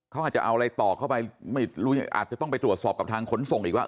เขาอาจจะเอาอะไรต่อเข้าไปไม่รู้อาจจะต้องไปตรวจสอบกับทางขนส่งอีกว่า